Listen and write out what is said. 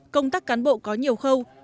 công tác cán bộ có nhiều khâu